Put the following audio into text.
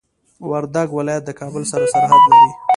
وردګ ولايت د کابل سره سرحد لري.